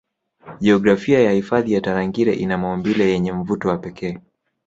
Jiografia ya hifadhi ya Tarangire ina maumbile yenye mvuto wa pekee